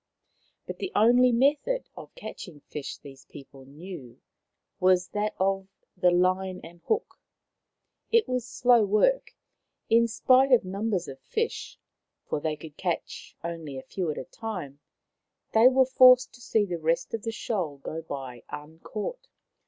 But the only method of catching fish these people knew was that of the line and hook. It was slow work, in spite of the numbers of fish, for they could catch only a few at a time ; they were forced to see the rest of the shoal go by uncaught.